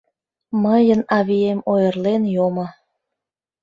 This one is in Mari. Мыйын авием ойырлен йомо